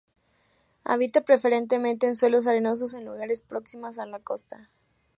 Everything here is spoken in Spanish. Habita preferentemente en suelos arenosos, en lugares próximas a la costa.